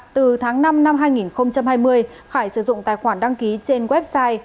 từ tháng năm năm hai nghìn hai mươi khải sử dụng tài khoản đăng ký trên website